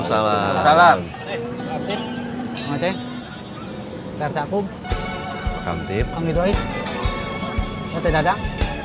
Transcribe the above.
salamualaikum waalaikumsalam salam